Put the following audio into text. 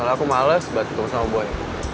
kalau aku males buat tunggu sama boy